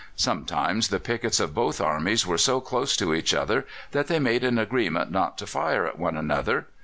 Sometimes the pickets of both armies were so close to each other that they made an agreement not to fire at one another.